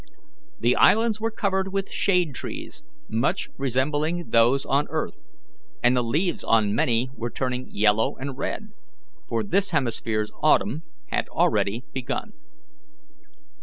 The islands were covered with shade trees much resembling those on earth, and the leaves on many were turning yellow and red, for this hemisphere's autumn had already begun.